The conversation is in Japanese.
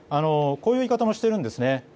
こういう言い方もしているんです